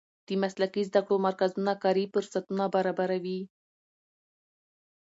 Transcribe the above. د مسلکي زده کړو مرکزونه کاري فرصتونه برابروي.